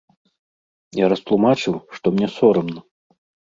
Я растлумачыў, што мне сорамна.